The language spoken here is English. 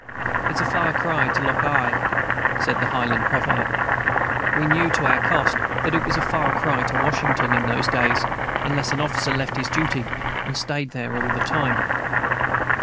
"It's a far cry to Loch Awe," said the Highland proverb. We knew to our cost that it was a far cry to Washington in those days, unless an officer left his duty and stayed there all the time.